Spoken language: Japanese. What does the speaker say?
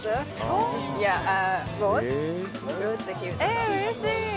えうれしい！